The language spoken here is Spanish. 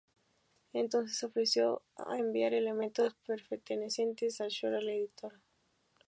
Entonces ofreció enviar elementos pertenecientes a Short al editor.